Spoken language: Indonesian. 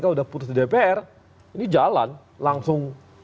kalau udah putus di dpr ini jalan langsung